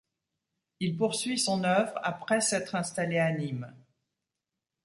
Il poursuit son œuvre après s'être installé à Nîmes.